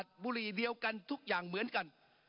ปรับไปเท่าไหร่ทราบไหมครับ